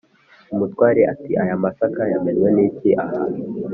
umutware ati « aya masaka yamenwe n'iki aha?